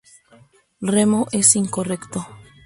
Remo es incorrecto.